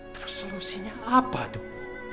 terus solusinya apa dok